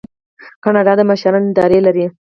کاناډا د مشرانو اداره لري.